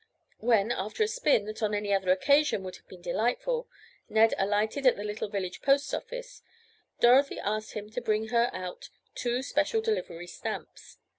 When, after a spin, that on any other occasion would have been delightful, Ned alighted at the little village post office, Dorothy asked him to bring her out two special delivery stamps.